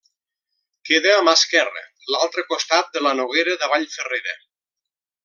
Queda a mà esquerra l'altre costat de la Noguera de Vall Ferrera.